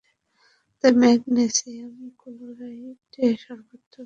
তাই ম্যাগনেসিয়াম ক্লোরাইড-ই সর্বোত্তম বিকল্প।